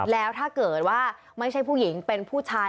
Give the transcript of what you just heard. แล้วถ้าเกิดว่าไม่ใช่ผู้หญิงเป็นผู้ชาย